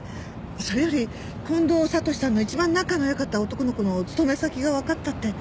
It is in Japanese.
それより近藤悟史さんの一番仲の良かった男の子の勤め先がわかったって。